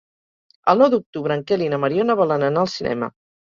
El nou d'octubre en Quel i na Mariona volen anar al cinema.